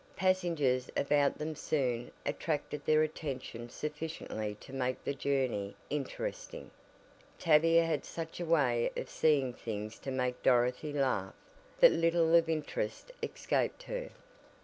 Passengers about them soon attracted their attention sufficiently to make the journey interesting. Tavia had such a way of seeing things to make Dorothy laugh, that little of interest escaped her.